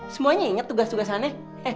semuanya inget tugas tugasannya